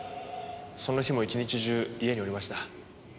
その日も一日中家におりました。